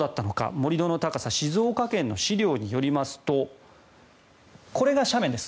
盛り土の高さ静岡県の資料によりますとこれが斜面です。